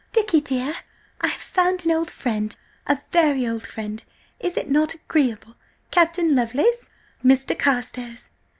"Dicky dear, I have found an old friend–a very old friend! Is it not agreeable? Captain Lovelace–Mr. Carstares."